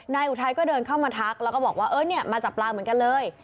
อุทัยก็เดินเข้ามาทักแล้วก็บอกว่าเออเนี่ยมาจับปลาเหมือนกันเลย